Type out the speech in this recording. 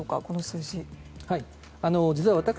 この数字は。